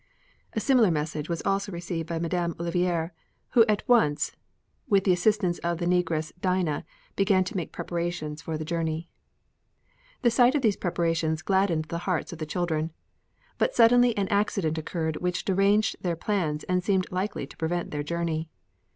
A similar message was also received by Madame Olivier who at once, with the assistance of the negress Dinah, began to make preparations for the journey. The sight of these preparations gladdened the hearts of the children. But suddenly an accident occurred which deranged their plans and seemed likely to prevent their journey.